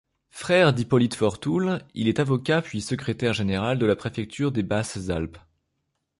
Frère d'Hippolyte Fortoul, il est avocat puis secrétaire général de la préfecture des Basses-Alpes.